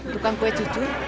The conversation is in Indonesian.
tukang kue cucur